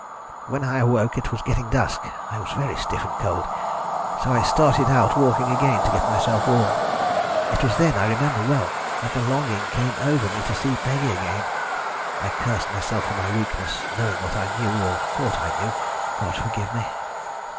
"When I awoke it was getting dusk. I was very stiff and cold, so I started out walking again to get myself warm. It was then, I remember well, that the longing came over me to see Peggy again. I cursed myself for my weakness, knowing what I knew or thought I knew, God forgive me.